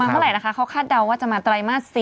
เมื่อไหร่นะคะเขาคาดเดาว่าจะมาไตรมาส๔